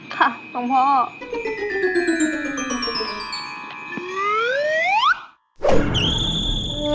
ค่ะท่องพ่อ